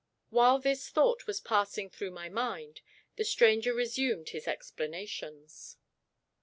While this thought was passing through my mind, the stranger resumed his explanations.